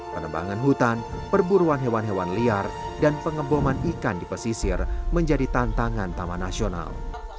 penebangan hutan perburuan hewan hewan liar dan pengeboman ikan di pesisir menjadi tantangan taman nasional